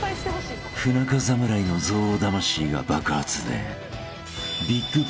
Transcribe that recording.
［不仲侍の憎悪魂が爆発で］